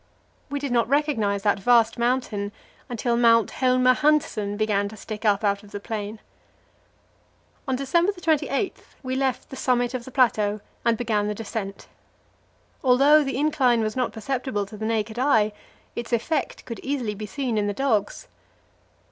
We did not recognize that vast mountain until Mount Helmer Hanssen began to stick up out of the plain. On December 28 we left the summit of the plateau, and began the descent. Although the incline was not perceptible to the naked eye, its effect could easily be seen in the dogs.